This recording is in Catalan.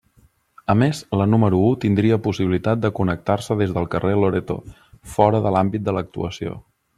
A més, la número u tindria possibilitat de connectar-se des del carrer Loreto, fora de l'àmbit de l'actuació.